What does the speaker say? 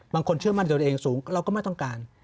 เชื่อมั่นตัวเองสูงเราก็ไม่ต้องการ